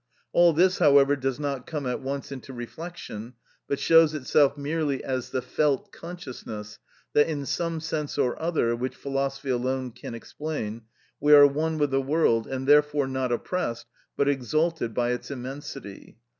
All this, however, does not come at once into reflection, but shows itself merely as the felt consciousness that in some sense or other (which philosophy alone can explain) we are one with the world, and therefore not oppressed, but exalted by its immensity.